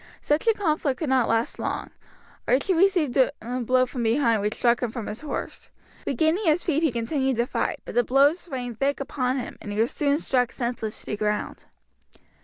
Such a conflict could not last long. Archie received a blow from behind which struck him from his horse. Regaining his feet he continued the fight, but the blows rained thick upon him, and he was soon struck senseless to the ground.